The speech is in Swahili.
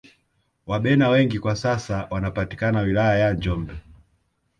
Wabena wengi kwa sasa wanapatikana wilaya ya njombe